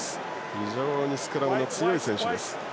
非常にスクラムの強い選手です。